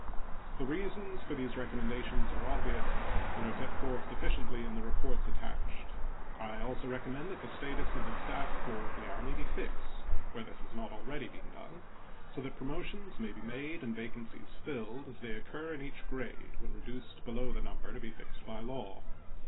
The reasons for these recommendations are obvious, and are set forth sufficiently in the reports attached. I also recommend that the status of the staff corps of the Army be fixed, where this has not already been done, so that promotions may be made and vacancies filled as they occur in each grade when reduced below the number to be fixed by law.